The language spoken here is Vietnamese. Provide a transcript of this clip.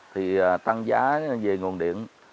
thì tăng giá về nguồn điện